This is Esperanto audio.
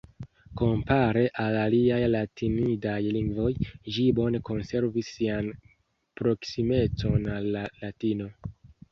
Kompare al aliaj latinidaj lingvoj, ĝi bone konservis sian proksimecon al la Latino.